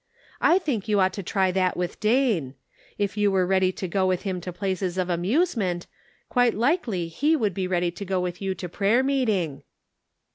I think you ought to try that with Dane. If you were ready to go with him to places of amusement, quite likely he would be ready to go with you to prayer meeting."